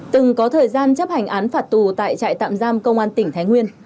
từng có thời gian chấp hành án phạt tù tại trại tạm giam công an tỉnh thái nguyên